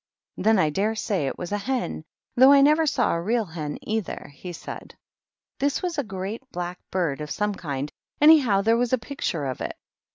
Then I dare say it was a hen, though I never saw a real hen, either," he said. This was a great black bird of some kind, anyhow, for there was a picture of it.